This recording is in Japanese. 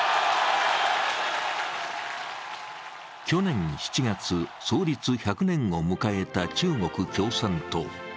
去年７月、創立１００年を迎えた中国共産党。